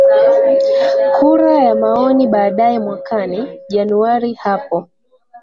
kura ya maoni baadae mwakani januari hapo